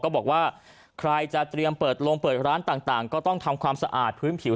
บอกว่าใครจะเตรียมเปิดลงเปิดร้านต่างก็ต้องทำความสะอาดพื้นผิว